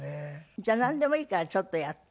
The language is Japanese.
じゃあなんでもいいからちょっとやって。